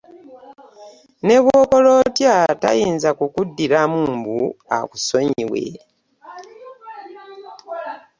Nebw'okola otya tayinza kukuddiramu mbu akusonyiwe